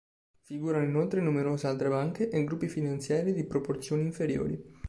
Figurano inoltre numerose altre banche e gruppi finanziari di proporzioni inferiori.